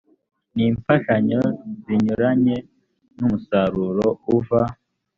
n imfashanyo zinyuranye n umusaruro uva